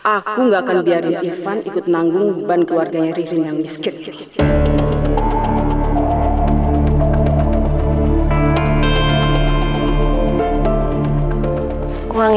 aku gak akan biarin irfan ikut nanggung beban keluarganya ririn yang miskin gitu